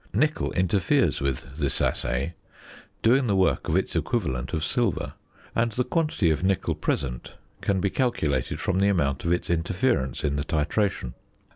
Nickel interferes with this assay, doing the work of its equivalent of silver; and the quantity of nickel present can be calculated from the amount of its interference in the titration.